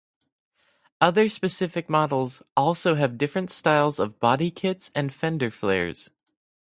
Other specific models also have different styles of bodykits and fender flares.